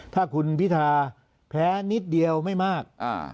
ถ้าคุณพิธาแพ้นิดเดียวไม่มาก